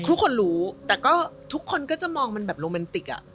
ทุกคนรู้แต่ก็ทุกคนก็จะมองมันแบบโรแมนติกอ่ะ